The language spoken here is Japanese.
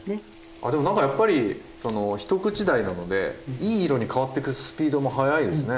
あでも何かやっぱり一口大なのでいい色に変わってくスピードも早いですね。